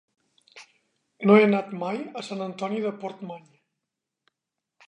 No he anat mai a Sant Antoni de Portmany.